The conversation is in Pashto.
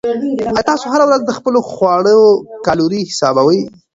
آیا تاسو هره ورځ د خپلو خواړو کالوري حسابوئ؟